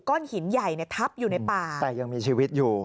ก้อนหินใหญ่ทับอยู่ในป่าแต่ยังมีชีวิตอยู่